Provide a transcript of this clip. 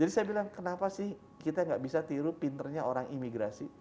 jadi saya bilang kenapa sih kita gak bisa tiru pinternya orang imigrasi